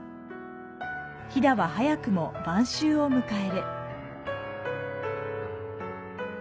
飛騨は早くも晩秋を迎える。